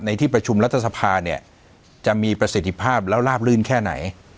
ที่ประชุมรัฐสภาเนี่ยจะมีประสิทธิภาพแล้วลาบลื่นแค่ไหน